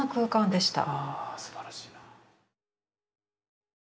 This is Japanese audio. あすばらしい。